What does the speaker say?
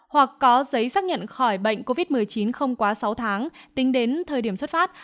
hoặc có giấy xác nhận khỏi bệnh covid một mươi chín không quá sáu tháng tính đến thời điểm xuất phát